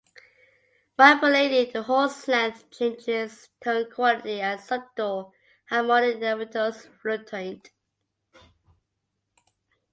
Manipulating the horn's length changes tone quality as subtle harmonic overtones fluctuate.